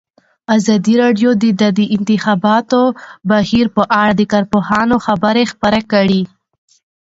ازادي راډیو د د انتخاباتو بهیر په اړه د کارپوهانو خبرې خپرې کړي.